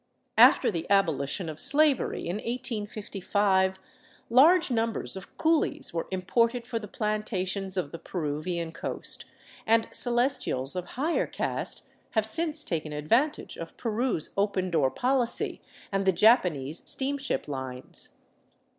After the abolition of slavery in 1855, large numbers of coolies were imported for the plantations of the Peruvian coast, and Celestials of higher caste have since taken advantage of Peru's open door policy and the Japanese steamship lines.